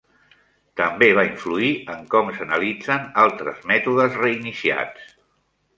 També va influir en com s'analitzen altres mètodes reiniciats.